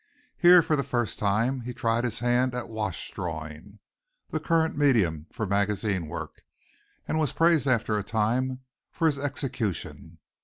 Here, for the first time, he tried his hand at wash drawings, the current medium for magazine work, and was praised after a time for his execution.